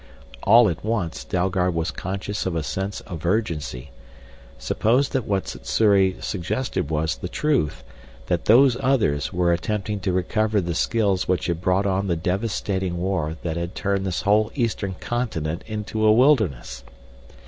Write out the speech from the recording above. All at once Dalgard was conscious of a sense of urgency. Suppose that what Sssuri suggested was the truth, that Those Others were attempting to recover the skills which had brought on the devastating war that had turned this whole eastern continent into a wilderness?